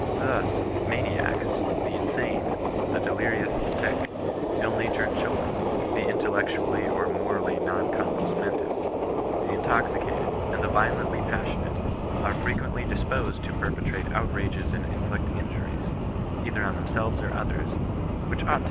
Thus, maniacs, the insane, the delirious sick, ill natured children, the intellectually or morally non compos men tis, the intoxicated, and the violently passionate, are frequently disposed to perpetrate outrages and inflict injuries, either on themselves or others, which ought to OHBISTIAN NON BESISTANCE.